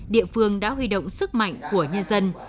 địa phương đã huy động sức mạnh của nhân dân